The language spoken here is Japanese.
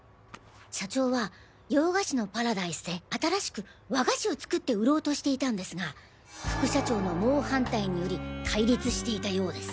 社長は「洋菓子のパラダイス」で新しく和菓子を作って売ろうとしていたんですが副社長の猛反対により対立していたようです。